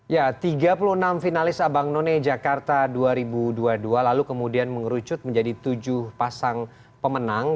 ya tiga puluh enam finalis abang none jakarta dua ribu dua puluh dua lalu kemudian mengerucut menjadi tujuh pasang pemenang